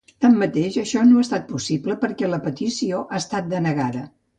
Tanmateix, això no ha estat possible perquè la petició ha estat denegada.